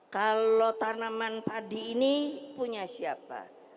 kalau tanaman padi ini punya siapa